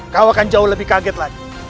kau akan jauh lebih kaget lagi